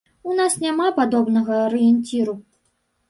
У нас няма падобнага арыенціру.